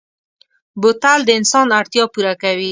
بوتل د انسان اړتیا پوره کوي.